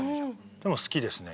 でも好きですね